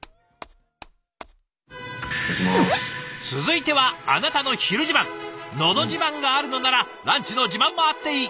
続いては「のど自慢」があるのならランチの自慢もあっていい！